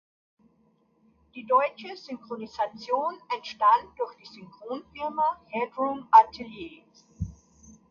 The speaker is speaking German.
Die deutsche Synchronisation entstand durch die Synchronfirma Headroom Atelier.